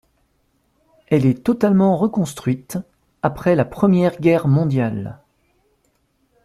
Elle est totalement reconstruite après la Première Guerre mondiale.